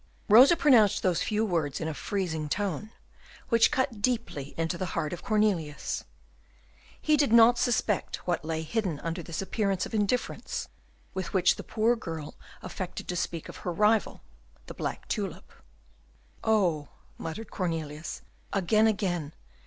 Rosa pronounced those few words in a freezing tone, which cut deeply into the heart of Cornelius. He did not suspect what lay hidden under this appearance of indifference with which the poor girl affected to speak of her rival, the black tulip. "Oh!" muttered Cornelius, "again! again!